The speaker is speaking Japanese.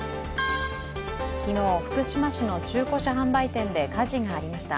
昨日、福島市の中古車販売店で火事がありました。